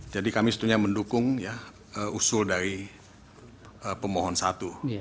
jadi kami sebetulnya mendukung usul dari pemohon satu